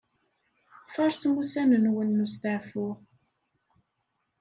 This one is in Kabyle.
Faṛsem ussan-nwen n usteɛfu.